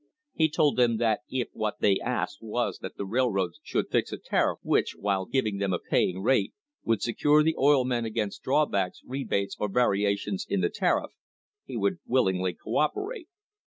He told them that if what they asked was that the railroads should fix a tariff which, while giving them a paying rate, would secure the oil men against drawbacks, rebates, or variations in the tariff, he would willingly co operate.